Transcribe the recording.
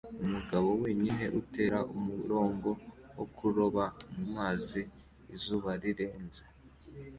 umugabo wenyine utera umurongo wo kuroba mumazi izuba rirenze